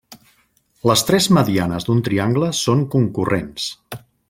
Les tres medianes d'un triangle són concurrents.